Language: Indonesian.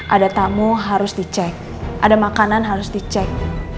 ada tamu harus dicek ada makanan harus dicek